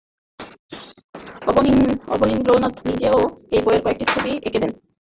অবনীন্দ্রনাথ নিজেও এই বইয়ের কয়েকটি ছবি এঁকে দেন।